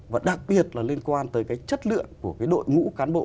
và đặc biệt là liên quan tới cái chất lượng của cái đội ngũ cán bộ